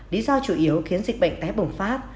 lý do chủ yếu khiến dịch bệnh tái bùng phát